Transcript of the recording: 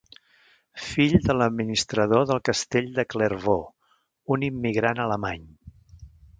Fill de l'administrador del castell de Clervaux, un immigrant alemany.